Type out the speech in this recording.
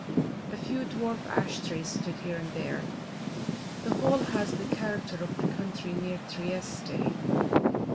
A few dwarf ash trees stood here and there. The whole has the character of the country near Trieste.